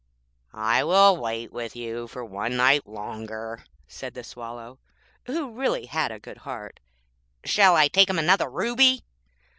< 6 > 'I will wait with you one night longer,' said the Swallow, who really had a good heart. 'Shall I take him another ruby?'